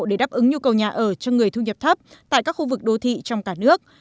để đáp ứng nhu cầu nhà ở cho người thu nhập thấp tại các khu vực đô thị trong cả nước